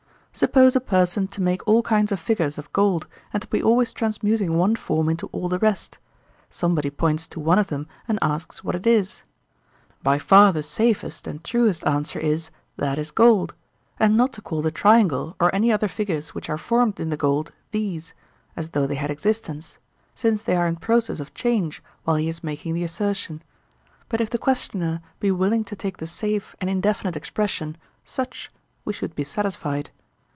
Suppose a person to make all kinds of figures of gold and to be always transmuting one form into all the rest;—somebody points to one of them and asks what it is. By far the safest and truest answer is, That is gold; and not to call the triangle or any other figures which are formed in the gold 'these,' as though they had existence, since they are in process of change while he is making the assertion; but if the questioner be willing to take the safe and indefinite expression, 'such,' we should be satisfied.